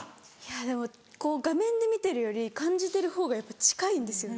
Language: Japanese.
でもこう画面で見てるより感じてるほうが近いんですよね。